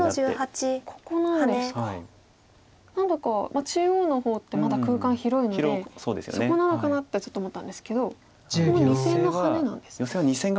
何だか中央の方ってまだ空間広いのでそこなのかなってちょっと思ったんですけどここの２線のハネなんですね。